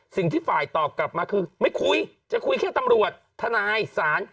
สิ่งที่ฝ่ายตอบกลับมาคือไม่คุยจะคุยแค่ตำรวจทนายศาล